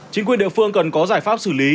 chính quyền địa phương cần có giải pháp xử lý